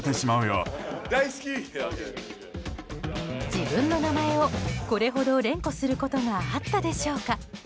自分の名前をこれほど連呼することがあったでしょうか。